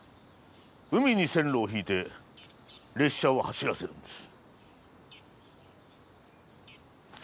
海に線路を敷いて列車を走らせるんです。